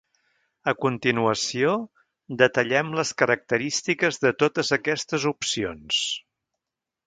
A continuació, detallem les característiques de totes aquestes opcions.